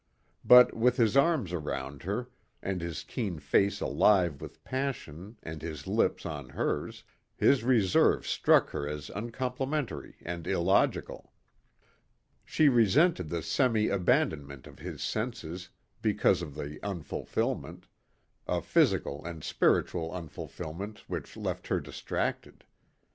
But, with his arms around her and his keen face alive with passion and his lips on hers, his reserve struck her as uncomplimentary and illogical. She resented the semi abandonment of his senses because of the unfulfillment a physical and spiritual unfulfillment which left her distracted.